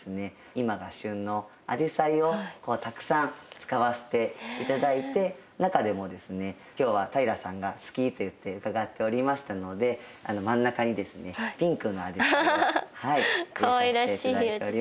今が旬のアジサイをたくさん使わせて頂いて中でもですね今日は平さんが好きといって伺っておりましたので真ん中にですねピンクのアジサイを入れさせて頂いております。